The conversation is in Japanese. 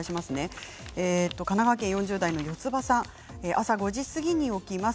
神奈川県４０代の方、朝の５時過ぎに起きます。